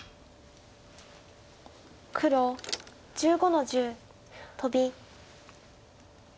黒１５の十トビ。